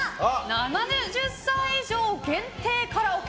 ７０歳以上限定カラオケ！